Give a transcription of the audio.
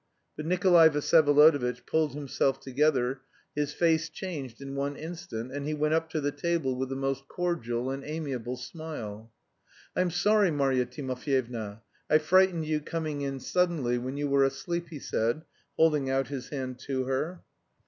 But Nikolay Vsyevolodovitch pulled himself together; his face changed in one instant, and he went up to the table with the most cordial and amiable smile. "I'm sorry, Marya Timofyevna, I frightened you coming in suddenly when you were asleep," he said, holding out his hand to her.